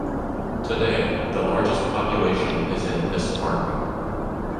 Today, the largest population is in this park.